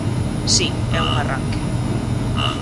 Si, é un arranque.